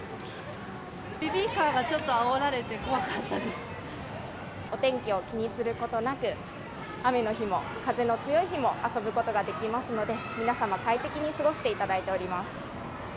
ベビーカーがちょっとあおらお天気を気にすることなく、雨の日も風の強い日も遊ぶことができますので、皆様、快適に過ごしていただいています。